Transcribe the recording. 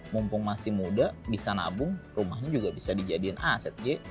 mumpung masih muda bisa nabung rumahnya juga bisa dijadikan aset je